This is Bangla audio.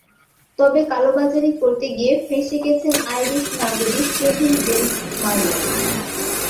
তবে কালোবাজারি করতে গিয়ে ফেঁসে গেছেন আইরিশ নাগরিক কেভিন জেমস মারলেন।